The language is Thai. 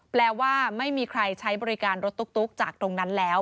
แปลว่าไม่มีใครใช้บริการรถตุ๊กจากตรงนั้นแล้ว